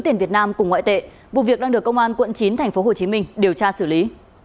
tiền việt nam cùng ngoại tệ vụ việc đang được công an quận chín tp hcm điều tra xử lý